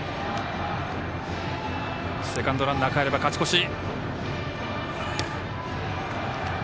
セカンドランナーかれれば勝ち越し。